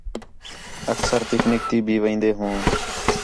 اکثرا پِکنِک تی بھی وین٘دے ہوں